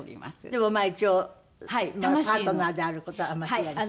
でも一応パートナーである事は間違いない？